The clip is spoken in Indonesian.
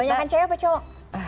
banyak cahaya apa cowok